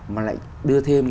mà lại đưa thêm